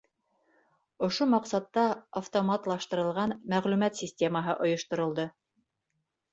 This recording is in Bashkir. Ошо маҡсатта автоматлаштырылған мәғлүмәт системаһы ойошторолдо.